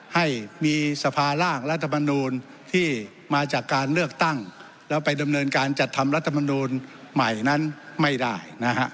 ให้มีสภาร่างรัฐมนูลที่มาจากการเลือกตั้งแล้วไปดำเนินการจัดทำรัฐมนูลใหม่นั้นไม่ได้นะฮะ